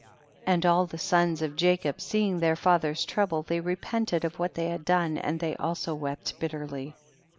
31. And all the sons of Jacob see ing their father's trouble, they repent ed of what they had done, and they also wept bitterly.